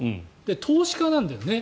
投資家なんだよね。